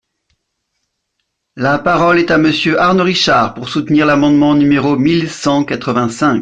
La parole est à Monsieur Arnaud Richard, pour soutenir l’amendement numéro mille cent quatre-vingt-cinq.